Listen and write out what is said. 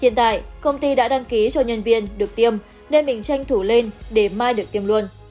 hiện tại công ty đã đăng ký cho nhân viên được tiêm nên mình tranh thủ lên để mai được tiêm luôn